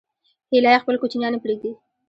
هیلۍ خپل کوچنیان نه پرېږدي